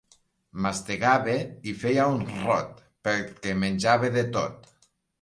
Mastegava i feia un rot perquè menjava de tot.